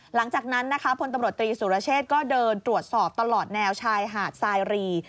หลังจากนั้นนะคะพลตำรวจตรีสุรเชษก็เดินตรวจสอบตลอดแนวชายหาดสายรี